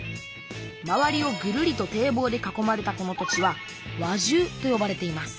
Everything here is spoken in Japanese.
周りをぐるりと堤防で囲まれたこの土地は輪中とよばれています